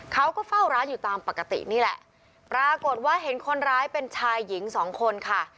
เขาก็เฝ้าร้านอยู่ตามปกตินี่แหละปรากฏว่าเห็นคนร้ายเป็นชายหญิงสองคนค่ะ